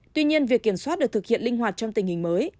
tuy nhiên việc kiểm soát được thực hiện linh hoạt trong tình hình mới